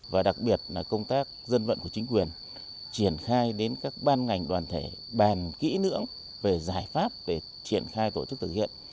và đặc biệt là công tác dân vận của chính quyền triển khai đến các ban ngành đoàn thể bàn kỹ lưỡng về giải pháp để triển khai tổ chức thực hiện